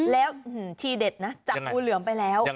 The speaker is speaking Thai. แล้วทีเด็ดนะจับงูเหลือมไปแล้ว